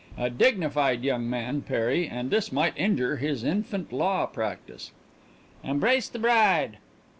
A dignified young man, Perry and this might injure his infant law practice. "Embrace the bride!"